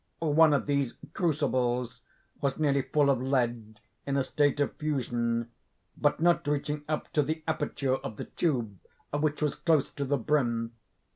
One of these crucibles was nearly full of lead in a state of fusion, but not reaching up to the aperture of the tube, which was close to the brim.